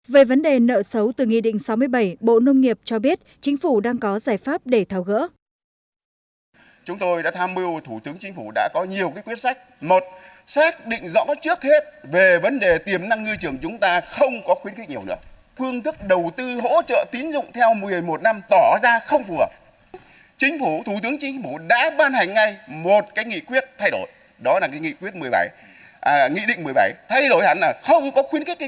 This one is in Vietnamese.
về vấn đề nợ xấu từ nghị định sáu mươi bảy bộ nông nghiệp cho biết chính phủ đang có giải pháp để thao gỡ